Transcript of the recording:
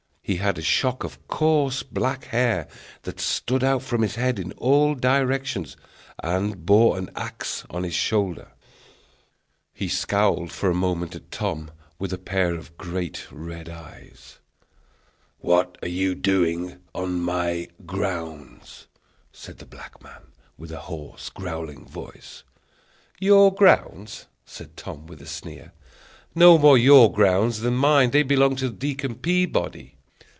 He had a shock of coarse black hair, that stood out from his head in all directions, and bore an axe on his shoulder. He scowled for a moment at Tom with a pair of great red eyes. "What are you doing on my grounds?" said the black man, with a hoarse, growling voice. "Your grounds!" said Tom, with a sneer; "no more your grounds than mine; they belong to Deacon Peabody."